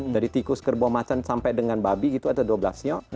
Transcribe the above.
dari tikus kerbau macan sampai dengan babi itu ada dua belas sio